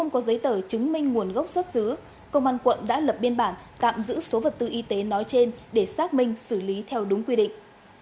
công an quận đã lập biên bản tạm giữ số vật tư y tế nói trên để xác minh xử lý theo đúng quy định